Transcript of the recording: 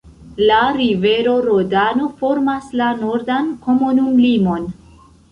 La rivero Rodano formas la nordan komunumlimon.